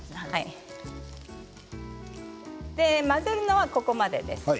混ぜるのはここまでです。